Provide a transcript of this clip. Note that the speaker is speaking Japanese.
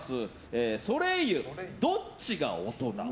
ソレイユ、どっちが大人？